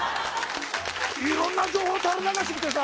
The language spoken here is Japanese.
いろんな情報垂れ流してきてさ。